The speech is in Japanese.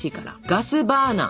ガスバーナー！